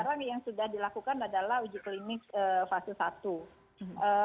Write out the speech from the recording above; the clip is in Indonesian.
sekarang yang sudah dilakukan adalah uji klinik fase satu